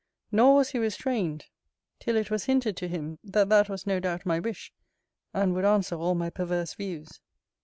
Nor was he restrained, till it was hinted to him, that that was no doubt my wish, and would answer all my perverse views.